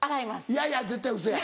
いやいや絶対ウソや。